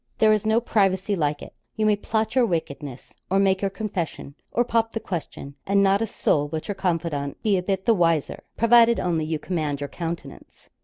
There is no privacy like it; you may plot your wickedness, or make your confession, or pop the question, and not a soul but your confidant be a bit the wiser provided only you command your countenance.